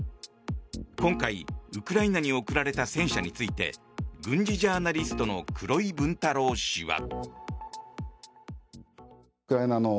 今回、ウクライナに送られた戦車について軍事ジャーナリストの黒井文太郎氏は。